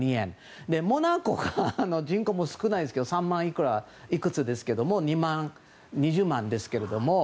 モナコが人口も少ないですけど３万いくつですけど２０万ですけども。